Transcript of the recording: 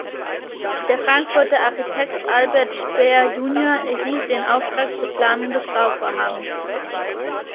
Der Frankfurter Architekt Albert Speer junior erhielt den Auftrag zur Planung des Bauvorhabens.